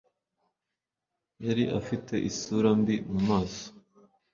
Yari afite isura mbi mu maso.